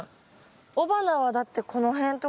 雄花はだってこの辺とか。